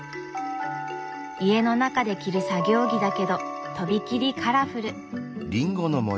家の中で着る作業着だけどとびきりカラフル。